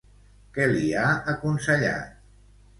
Què li ha aconsellat?